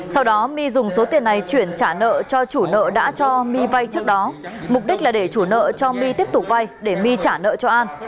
sau đó my dùng số tiền này chuyển trả nợ cho chủ nợ đã cho my vay trước đó mục đích là để chủ nợ cho my tiếp tục vay để my trả nợ cho an